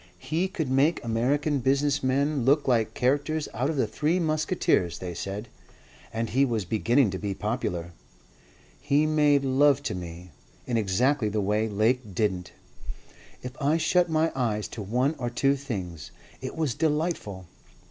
"He could make American business men look like characters out of the Three Musketeers, they said, and he was beginning to be popular. He made love to me. In exactly the way Lake didn't. If I shut my eyes to one or two things, it was delightful.